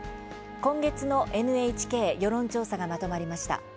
今月のＮＨＫ世論調査がまとまりました。